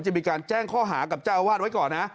ที่มีการแจ้งข้อหากับทราบวาดไว้ก่อนนะ